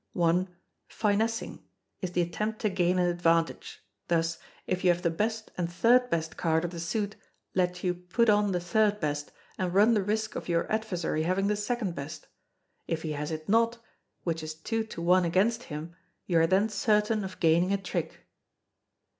i. Finessing, is the attempt to gain an advantage; thus: If you have the best and third best card of the suit led you put on the third best, and run the risk of your adversary having the second best; if he has it not, which is two to one against him, you are then certain of gaining a trick.